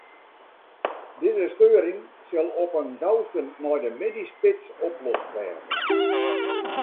Dizze steuring sil op 'en gausten nei de middeisspits oplost wêze.